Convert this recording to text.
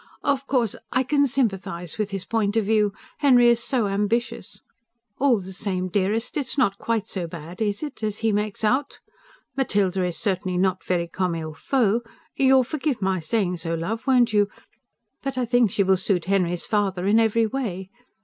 "Of course, I can sympathise with his point of view.... Henry is so ambitious. All the same, dearest, it's not quite so bad is it? as he makes out. Matilda is certainly not very COMME IL FAUT you'll forgive my saying so, love, won't you? But I think she will suit Henry's father in every way.